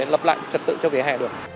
lập lại trật tự cho vỉa hè được